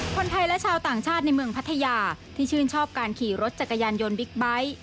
คนไทยและชาวต่างชาติในเมืองพัทยาที่ชื่นชอบการขี่รถจักรยานยนต์บิ๊กไบท์